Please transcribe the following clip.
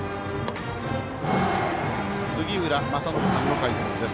杉浦正則さんの解説です。